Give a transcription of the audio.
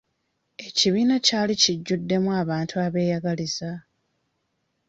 Ekibiina kyali kijjuddemu abantu abeeyagaliza.